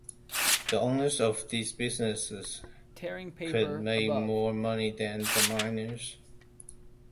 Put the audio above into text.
The owners of these businesses could make more money than the miners.